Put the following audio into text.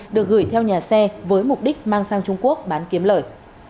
được gửi theo nhà xe với mục đích mang sang trung quốc bán kiếm lời